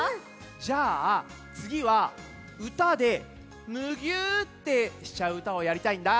じゃあつぎはうたでムギューってしちゃううたをやりたいんだ。